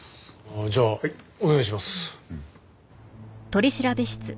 じゃあお願いします。